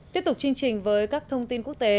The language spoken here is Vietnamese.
tiếp tục chương trình với các thông tin quốc tế